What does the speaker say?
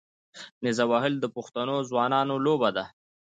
نیزه وهل د پښتنو ځوانانو لوبه ده.